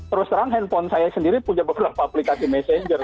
terus terang handphone saya sendiri punya beberapa aplikasi messenger